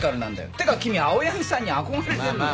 ってか君青柳さんに憧れてんのか？